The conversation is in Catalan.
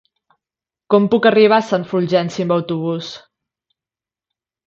Com puc arribar a Sant Fulgenci amb autobús?